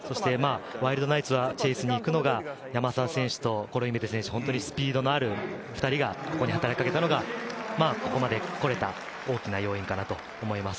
ワイルドナイツはチェイスに行くのが山沢選手とコロインベテ選手、２人がここに働きかけたのが、ここまで来られた、大きな要因かなと思います。